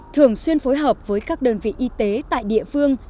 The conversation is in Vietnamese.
thường xuyên phối hợp với các đơn vị y tế tại địa phương